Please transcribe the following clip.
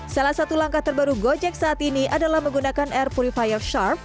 salah satu langkah terbaru gojek saat ini adalah menggunakan air purifier sharp